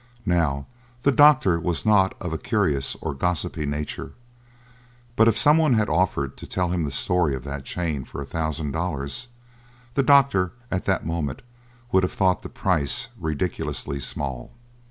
Now, the doctor was not of a curious or gossipy nature, but if someone had offered to tell him the story of that chain for a thousand dollars, the doctor at that moment would have thought the price ridiculously small.